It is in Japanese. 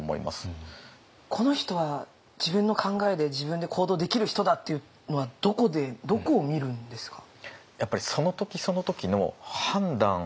この人は自分の考えで自分で行動できる人だっていうのはどこでどこを見るんですか？